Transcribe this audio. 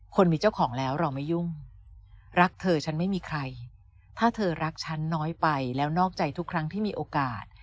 คนมีเจ้าของแล้วเราไม่ยุ่งรักเธอฉันไม่มีใครถ้าเธอรักฉันน้อยไปแล้วนอกใจทุกครั้งที่มีโอกาส